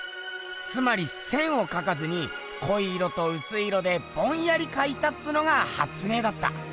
つまり線を描かずにこい色とうすい色でぼんやり描いたっつうのがはつ明だった。